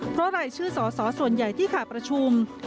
เพราะรายชื่อสอสอส่วนใหญ่ที่ขาดประชุม